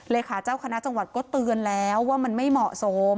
เลขาเจ้าคณะจังหวัดก็เตือนแล้วว่ามันไม่เหมาะสม